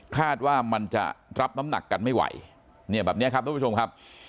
คาดว่ามันจะรับน้ำหนักกันไม่ไหวเนี่ยแบบนี้ครับทุกผู้ชมครับ